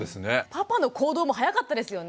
パパの行動も早かったですよね。